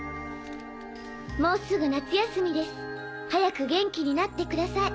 「もうすぐ夏休みです早く元気になってください。